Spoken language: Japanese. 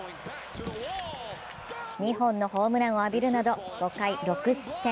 ２本のホームランを浴びるなど５回、６失点。